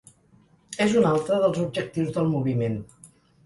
És un altre dels objectius del moviment.